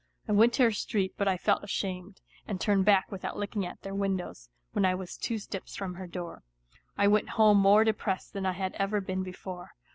I went to her street, but I felt ashamed, and turned back without looking at their windows, when I was two steps from her door. I went home more depressed than I had ever been before.